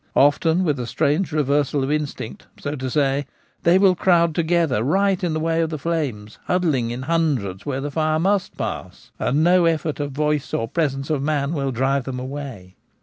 Often, with a strange reversal of instinct, so to say, they will crowd together right in the way of the flames, huddling in hundreds where the fire must pass, and no effort of voice or presence of man will drive them away.